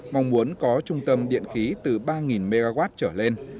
mong muốn có trung tâm điện khí từ ba mw trở lên